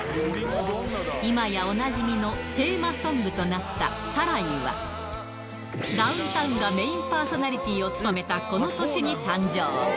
今やおなじみのテーマソングとなったサライは、ダウンタウンがメインパーソナリティーを務めたこの年に誕生。